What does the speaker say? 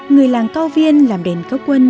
người làng cao viên làm đèn cao quân